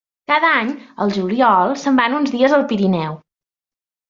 Cada any, al juliol, se'n van uns dies al Pirineu.